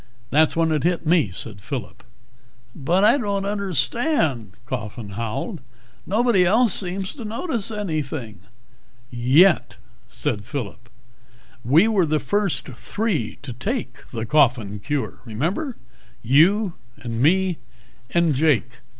"That's when it hit me," said Phillip. "But I don't understand," Coffin howled. "Nobody else seems to notice anything " "Yet," said Phillip, "we were the first three to take the Coffin Cure, remember? You, and me and Jake.